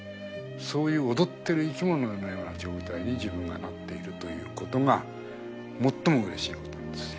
そういう踊ってる生き物のような状態に自分がなっているということが最もうれしいことなんです。